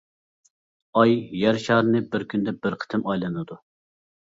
ئاي يەر شارىنى بىر كۈندە بىر قېتىم ئايلىنىدۇ.